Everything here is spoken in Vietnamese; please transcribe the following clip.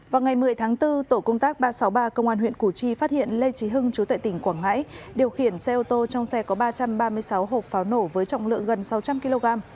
vào ngày một mươi tháng bốn tổ công tác ba trăm sáu mươi ba công an huyện củ chi phát hiện lê trí hưng chú tệ tỉnh quảng ngãi điều khiển xe ô tô trong xe có ba trăm ba mươi sáu hộp pháo nổ với trọng lượng gần sáu trăm linh kg